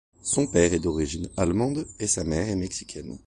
Son père est d'origine allemande et sa mère est mexicaine.